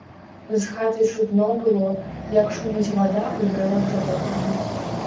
З хаты чутно было, як шуміць вада ў дрэвах за вокнамі.